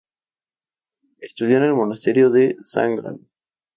Estudió en el Monasterio de San Galo.